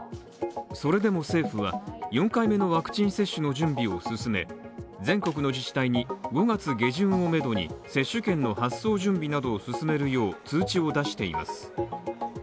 それでも政府は４回目のワクチン接種の準備を進め全国の自治体に５月下旬をめどに接種券の発送準備などを進めるよう通知を出しています。